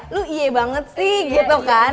lu iya banget sih gitu kan